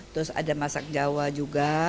terus ada masak jawa juga